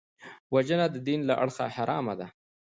وژنه د دین له اړخه حرامه ده